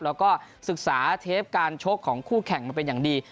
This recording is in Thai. แล้วก็ศึกษาเทปการชกของคู่แข่งมาเป็นอย่างดี